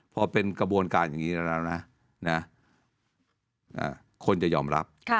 พอเป็นกระบวนการอย่างนี้แล้วนะคนจะยอมรับ